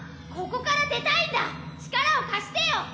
ここから出たいんだ力を貸してよ。